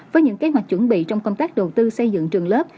với những kế hoạch chuẩn bị trong công tác đầu tư xây dựng trường lớp